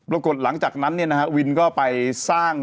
ลักษณ์หลังจากนั้นวินก็ไปสร้าง